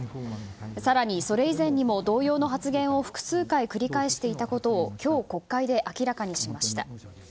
更に、それ以前にも同様の発言を複数回、繰り返していたことを今日、国会で明らかにしました。